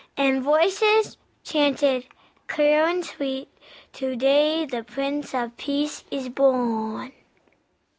And voices chanted clear and sweet, "To day the Prince of Peace is born."